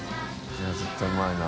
いや絶対うまいな。